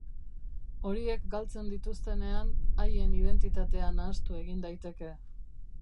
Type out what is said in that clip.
Horiek galtzen dituztenean, haien identitatea nahastu egin daiteke.